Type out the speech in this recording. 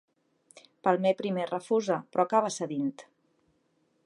Palmer primer refusa, però acaba cedint.